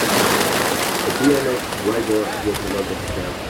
a bmx rider gets a lot of air.